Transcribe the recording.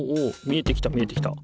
見えてきた見えてきた。